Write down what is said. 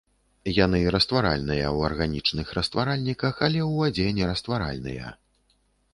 Яны растваральныя ў арганічных растваральніках, але ў вадзе нерастваральныя.